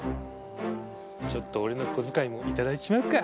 ちょっと俺の小遣いも頂いちまうか。